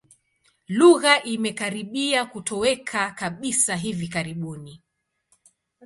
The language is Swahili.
Lugha imekaribia kutoweka kabisa hivi karibuni.